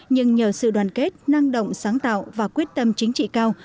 nhưng nhờ sự đoàn kết năng động sáng tạo và quyết tâm chính trị cao